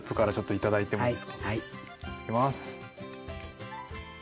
いただきます。